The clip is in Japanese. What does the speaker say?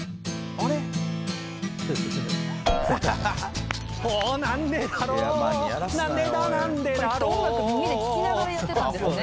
「これきっと音楽耳で聴きながらやってたんですね」